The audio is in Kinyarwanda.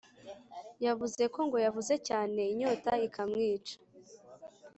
yavuze ko ngo yavuze cyane inyota ikamwica